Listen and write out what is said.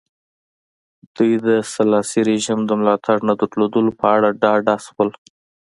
دوی د سلاسي رژیم د ملاتړ نه درلودلو په اړه ډاډه شول.